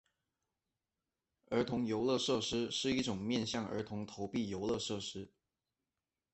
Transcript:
儿童游乐设施是一种面向儿童的投币游乐设施。